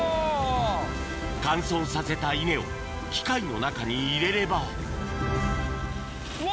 乾燥させた稲を機械の中に入れればうわ！